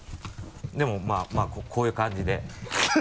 でもまぁこういう感じで。